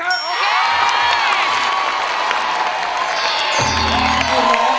เพลงที่๒นะครับ